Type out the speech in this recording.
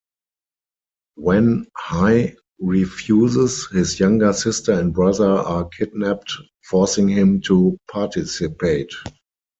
When Hai refuses, his younger sister and brother are kidnapped, forcing him to participate.